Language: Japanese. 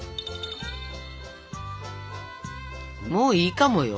もういいかもよ？